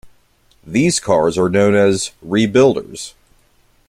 These cars are known as "rebuilders".